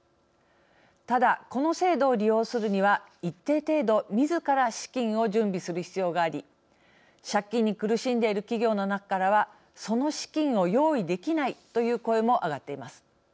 ただ、この制度を利用するには一定程度、みずから資金を準備する必要があり借金に苦しんでいる企業の中からはその資金を用意できないという声も上がっています。